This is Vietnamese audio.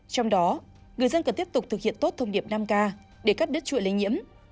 trong đó người dân cần tiếp tục thực hiện tốt thông điệp năm k để cắt đất chuỗi lây nhiễm